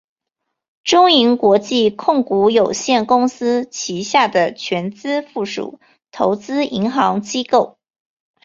中银国际控股有限公司旗下的全资附属投资银行机构。